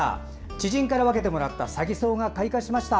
知人から分けてもらったサギソウが開花しました。